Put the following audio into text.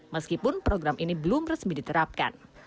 meskipun program ini belum resmi diterapkan